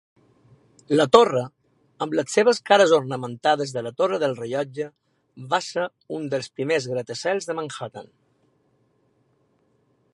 La torre, amb les seves cares ornamentades de la torre del rellotge, va ser un dels primers gratacels de Manhattan.